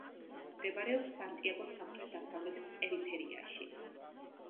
მდებარეობს სანტიაგოს სამხრეთ-დასავლეთ პერიფერიაში.